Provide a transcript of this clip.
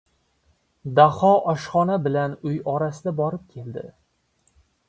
Daho oshxona bilan uy orasida borib keldi.